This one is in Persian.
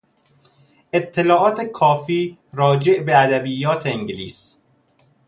اطلاعات کافی راجع به ادبیات انگلیس